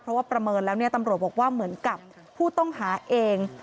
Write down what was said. เพราะว่าประเมินแล้วเนี่ยตำรวจบอกว่าเหมือนกับผู้ต้องหาเอง